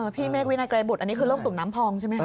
พี่เมฆวินัยไกรบุตรอันนี้คือโลกตุ่มน้ำพองใช่ไหมค